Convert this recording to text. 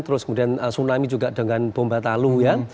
terus kemudian tsunami juga dengan bomba talu ya